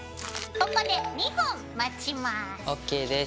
ここで２分待ちます。